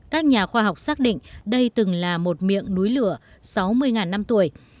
các nhà khoa học xác định đây từng là một miệng núi lửa sáu mươi năm tuổi